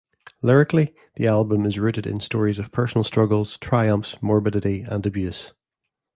Lyrically, the album is rooted in stories of personal struggles, triumphs, morbidity, and abuse.